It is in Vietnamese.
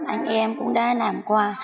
anh em cũng đã làm qua